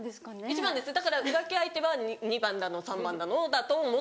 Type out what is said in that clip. １番ですだから浮気相手は２番だの３番だのだと思って。